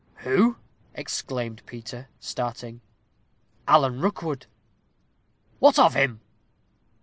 "Who?" exclaimed Peter, starting. "Alan Rookwood." "What of him?"